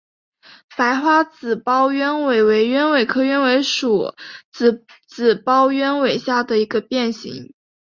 白花紫苞鸢尾为鸢尾科鸢尾属紫苞鸢尾下的一个变型。